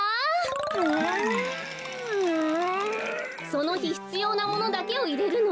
そのひひつようなものだけをいれるの。